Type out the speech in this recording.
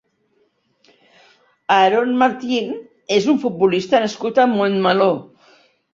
Aarón Martín és un futbolista nascut a Montmeló.